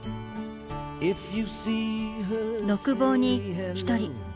独房に一人。